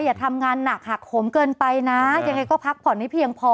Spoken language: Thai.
อย่าทำงานหนักหักขมเกินไปนะยังไงก็พักผ่อนให้เพียงพอ